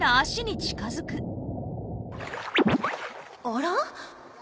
あら？